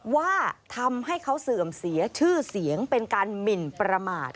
ว่าทำให้เขาเสื่อมเสียชื่อเสียงเป็นการหมินประมาท